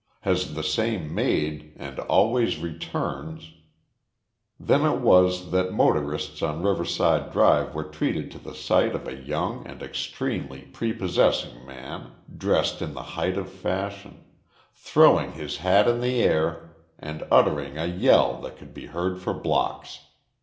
Has the same maid and always returns " Then it was that motorists on Riverside Drive were treated to the sight of a young and extremely prepossessing man, dressed in the height of fashion, throwing his hat in the air and uttering a yell that could be heard for blocks.